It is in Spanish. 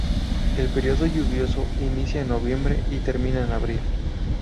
El período lluvioso inicia en noviembre y termina en abril.